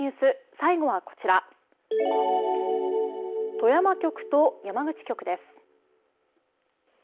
最後はこちら富山局と山口局です。